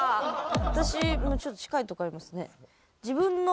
私もちょっと近いとこありますね。